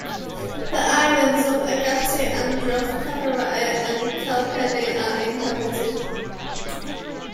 The islands of Agatti, Androth, Kavaratti and Kalpeni are inhabited.